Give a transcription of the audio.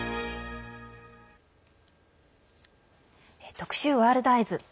特集「ワールドＥＹＥＳ」。